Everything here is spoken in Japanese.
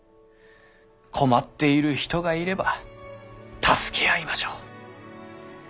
困っている人がいれば助け合いましょう。